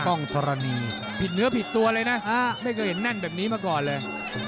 ้องธรณีผิดเนื้อผิดตัวเลยนะไม่เคยเห็นแน่นแบบนี้มาก่อนเลย